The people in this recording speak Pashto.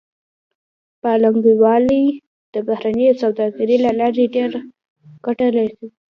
پانګوال د بهرنۍ سوداګرۍ له لارې ډېره ګټه کوي